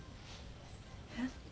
えっ？